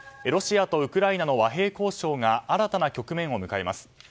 ロシアとウクライナの和平交渉が新たな局面を迎えます。